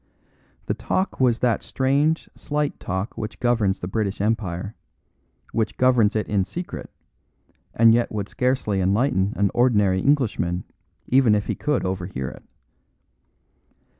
The talk was that strange, slight talk which governs the British Empire, which governs it in secret, and yet would scarcely enlighten an ordinary Englishman even if he could overhear it.